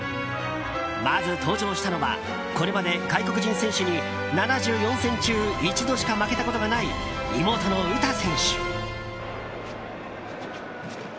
まず登場したのはこれまで外国人選手に７４戦中一度しか負けたことがない、妹の詩選手。